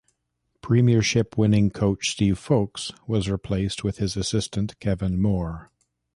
Premiership-winning coach Steve Folkes was replaced with his assistant Kevin Moore.